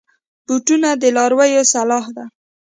بوټونه د لارویو سلاح ده.